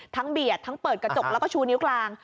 เบียดทั้งเปิดกระจกแล้วก็ชูนิ้วกลาง